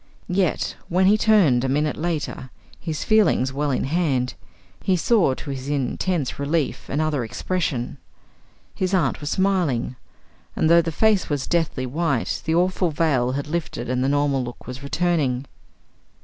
Yet, when he turned a minute later, his feelings well in hand, he saw to his intense relief another expression; his aunt was smiling, and though the face was deathly white, the awful veil had lifted and the normal look was returning.